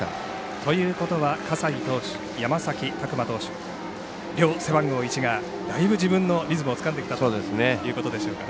ということは葛西投手、山崎琢磨投手両背番号１がだいぶ自分のリズムをつかんできたということでしょう。